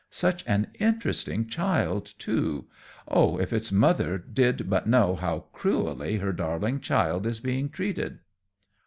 Such an interesting child, too! Oh, if its mother did but know how cruelly her darling child is being treated."